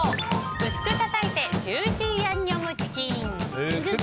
薄くたたいてジューシーヤンニョムチキン。